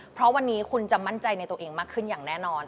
เพราะวันนี้คุณจะมั่นใจในตัวเองมากขึ้นอย่างแน่นอน